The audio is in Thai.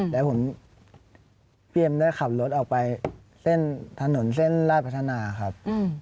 แล้วผมพี่เอ็มได้ขับรถออกไปเส้นถนนเส้นราชพัฒนาครับ